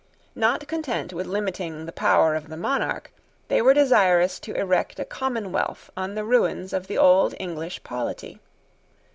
Not content with limiting the power of the monarch, they were desirous to erect a commonwealth on the ruins of the old English polity.